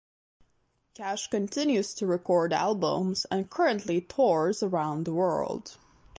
Cash continues to record albums and currently tours around the world.